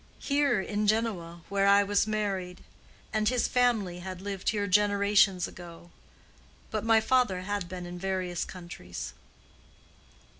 "Here in Genoa, where I was married; and his family had lived here generations ago. But my father had been in various countries."